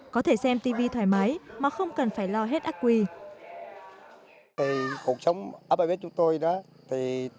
có thể xem tv thoải mái mà không cần phải lo hết ác quy